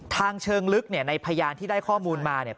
ทางเชิงลึกในพยานที่ได้ข้อมูลมาเนี่ย